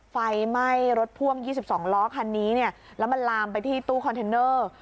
ไฟไหม้รถพ่วง๒๒ล้อคันนี้เนี่ยแล้วมันลามไปที่ตู้คอนเทนเนอร์